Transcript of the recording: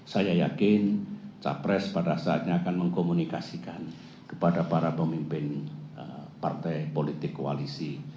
saya yakin capres pada saatnya akan mengkomunikasikan kepada para pemimpin partai politik koalisi